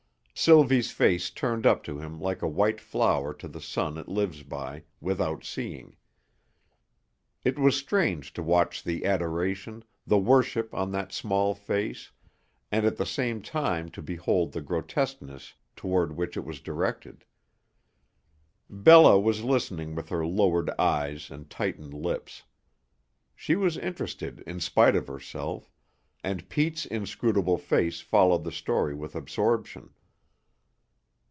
Sylvie's face turned up to him like a white flower to the sun it lives by, without seeing. It was strange to watch the adoration, the worship on that small face, and at the same time to behold the grotesqueness toward which it was directed. Bella was listening with her lowered eyes and tightened lips. She was interested in spite of herself; and Pete's inscrutable face followed the story with absorption.